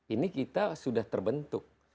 ini kita sudah terbentuk